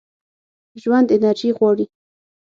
ژوند انرژي غواړي.